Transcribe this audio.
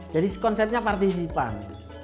jadi konsepnya partisipan